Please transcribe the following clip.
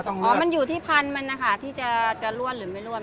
ต้องเลือกอยู่ที่มันที่จะล่วนหรือไม่ล่วน